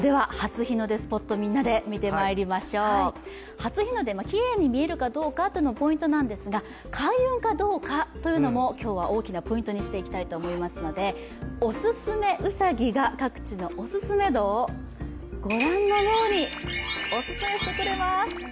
初日の出きれいに見えるかどうかというのもポイントなんですが開運かどうかというのも今日は大きなポイントにしていきたいと思いますので、オススメうさぎが各地のオススメ度をご覧のようにオススメしてくれます。